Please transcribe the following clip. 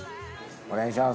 お願いします